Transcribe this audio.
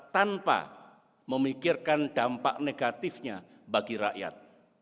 tanpa memikirkan dampak negatifnya bagi rakyat